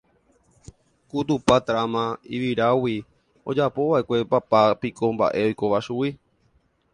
ku tupa tráma yvíragui ojapova'ekue papá piko mba'e oikóva chugui.